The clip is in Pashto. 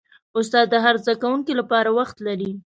استاد د هر زده کوونکي لپاره وخت لري.